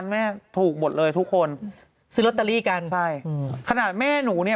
ไม่มีฮะไม่มีเลย